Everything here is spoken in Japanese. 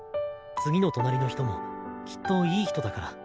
次の隣の人もきっといい人だから。